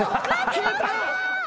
消えた！